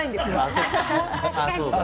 そっか。